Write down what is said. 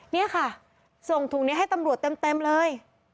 นี่ค่ะส่งถุงนี้ให้ตำรวจเต็มเลย